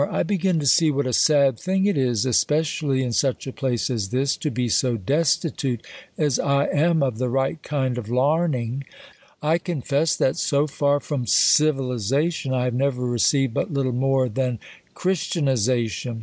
I begin to see vrhat a sad thing it is, espe cially in such a place as this, to be so destitute as I am of the right kind of laming. I confess, that, so far from civilization, T have never received but little more than christianization.